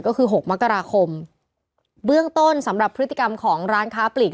ก็คือหกมกราคมเบื้องต้นสำหรับพฤติกรรมของร้านค้าปลีก